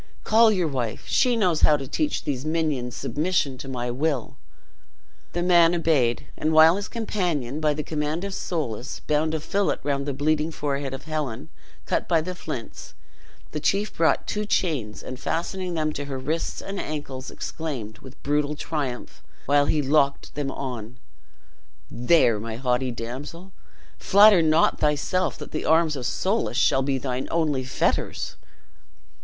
Call your wife; she knows how to teach these minions submission to my will." The man obeyed; and while his companion, by the command of Soulis, bound a fillet round the bleeding forehead of Helen, cut by the flints, the chief brought two chains, and fastening them to her wrists and ankles, exclaimed, with brutal triumph, while he locked them on: "There, my haughty damsel, flatter not thyself that the arms of Soulis shall be thine only fetters."